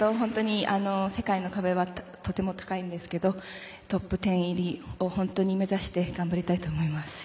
世界の壁はとても高いんですけどトップ１０入りを目指して頑張りたいと思います。